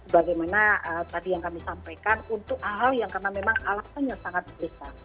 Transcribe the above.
bagaimana tadi yang kami sampaikan untuk hal hal yang karena memang alasannya sangat besar